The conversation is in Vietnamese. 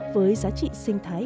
với giá trị sinh thái